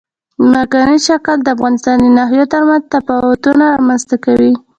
ځمکنی شکل د افغانستان د ناحیو ترمنځ تفاوتونه رامنځ ته کوي.